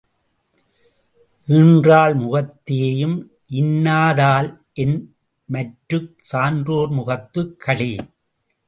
ஈன்றாள் முகத்தேயும் இன்னாதால் என்மற்றுக் சான்றோர் முகத்துக் களி?